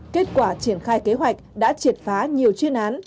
kết quả triển khai kế hoạch đã triệt phá nhiều chuyên án